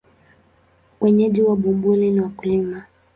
Wenyeji wa Bumbuli ni wakulima.